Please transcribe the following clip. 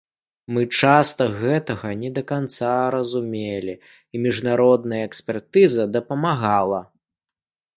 Мы часта гэтага не да канца разумелі, і міжнародная экспертыза дапамагала.